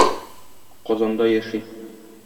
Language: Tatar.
Казанда яши.